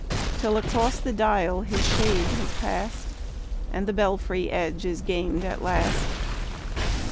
Till across the dial his shade has pass'd, And the belfry edge is gain'd at last.